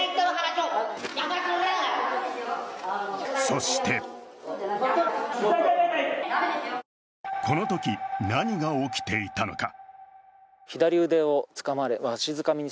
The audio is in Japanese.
そしてこのとき何が起きていたのか。